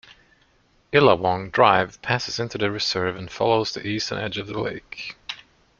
Illawong Drive passes into the reserve and follows the eastern edge of the lake.